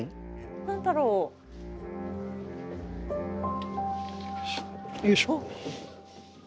何だろう？よいしょ。